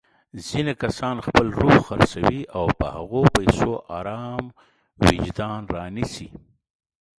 ځيني کسان خپل روح خرڅوي او په هغو پيسو ارام وجدان رانيسي.